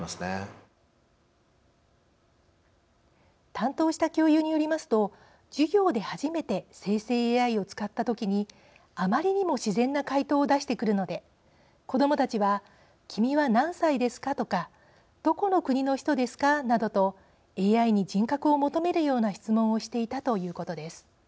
担当した教諭によりますと授業で初めて生成ＡＩを使った時にあまりにも自然な回答を出してくるので子どもたちは君は何歳ですかとかどこの国の人ですかなどとＡＩに人格を求めるような質問をしていたということです。